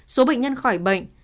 số bệnh nhân khỏi bệnh